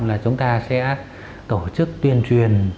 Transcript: là chúng ta sẽ tổ chức tuyên truyền